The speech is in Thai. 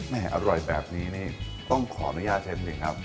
อร่อยแบบนี้นี่ต้องขออนุญาตใช้จริงครับ